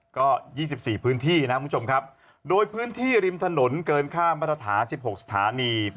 ก็๒๔พื้นที่นะครับคุณผู้ชมครับโดยพื้นที่ริมถนนเกินข้ามมาตรฐาน๑๖สถานี